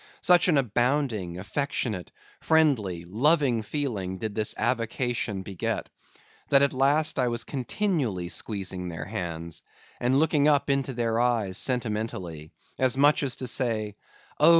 Such an abounding, affectionate, friendly, loving feeling did this avocation beget; that at last I was continually squeezing their hands, and looking up into their eyes sentimentally; as much as to say,—Oh!